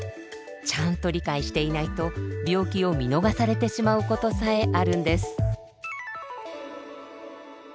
ちゃんと理解していないと病気を見逃されてしまうことさえあるんです。